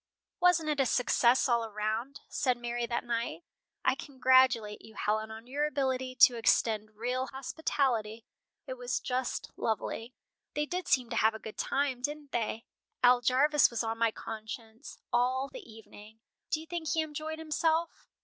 "Wasn't it a success all round?" said Mary that night. "I congratulate you, Helen, on your ability to extend real hospitality. It was just lovely." "They did seem to have a good time, didn't they? Al Jarvis was on my conscience all the evening. Do you think he enjoyed himself?"